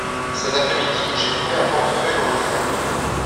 Cet après-midi, j'ai trouvé un portefeuille dans le train.